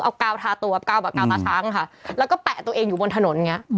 เอากาวทาตัวกาวประชังค่ะแล้วก็แปะตัวเองอยู่บนถนนอย่างนี้